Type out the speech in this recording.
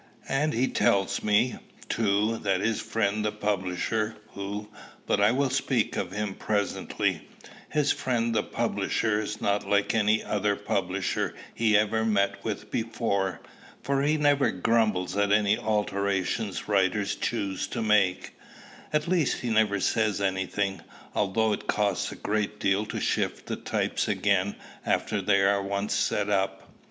And he tells me, too, that his friend the publisher, who, but I will speak of him presently, his friend the publisher is not like any other publisher he ever met with before; for he never grumbles at any alterations writers choose to make, at least he never says any thing, although it costs a great deal to shift the types again after they are once set up.